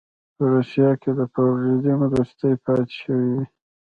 په روسیه کې فیوډالېزم وروستۍ پاتې شوې وې.